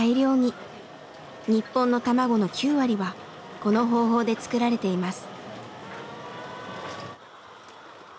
日本の卵の９割はこの方法で作られています。